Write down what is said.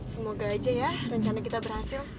semoga aja ya rencana kita berhasil